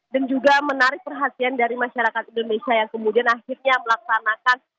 dan juga menarik perhatian dari masyarakat indonesia yang kemudian akhirnya melaksanakan